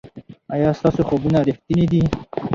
ایا ستاسو خوبونه ریښتیني دي؟